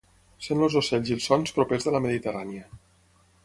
Sent els ocells i els sons propers de la Mediterrània.